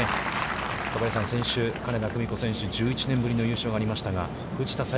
戸張さん、先週金田久美子選手、１１年ぶりの優勝がありましたが、藤田さ